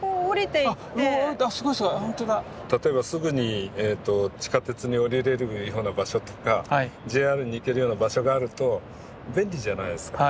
例えばすぐに地下鉄におりれるような場所とかＪＲに行けるような場所があると便利じゃないですか。